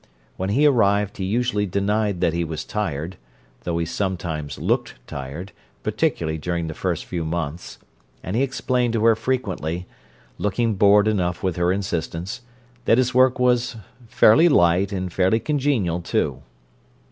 When he arrived he usually denied that he was tired, though he sometimes looked tired, particularly during the first few months; and he explained to her frequently—looking bored enough with her insistence—that his work was "fairly light, and fairly congenial, too."